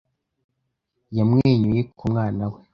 Yamwenyuye ku mwana we.